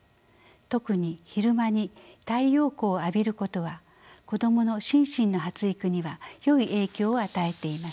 特に昼間に太陽光を浴びることは子どもの心身の発育にはよい影響を与えています。